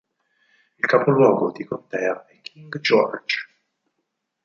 Il capoluogo di contea è King George.